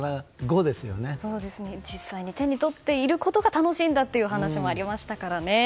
実際に手に取っていることが楽しいという話もありましたから。